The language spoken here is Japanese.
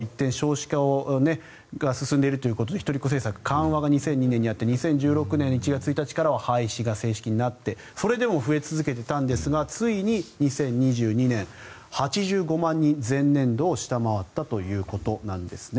７９年、一人っ子政策が開始されましたが今度は一転少子化が進んでいるということで一人っ子政策緩和が２００２年にあって２０１６年には廃止が正式になってそれでも増え続けていたんですがついに２０２２年８５万人、前年度を下回ったということなんですね。